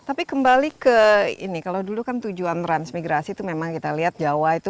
tapi kembali ke ini kalau dulu kan tujuan transmigrasi itu memang kita lihat jawa itu